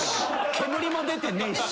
煙も出てねえし。